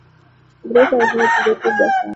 Grace ameshinda tuzo kubwa sana